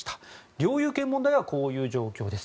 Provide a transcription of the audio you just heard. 領有権問題はこういう状況です。